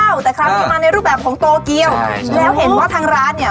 แล้วเห็นว่าทั้งร้านเนี่ย